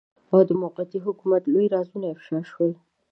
او د موقتي حکومت لوی رازونه افشاء شول.